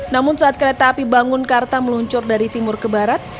namun saat kereta api bangunkarta meluncur dari timur ke barat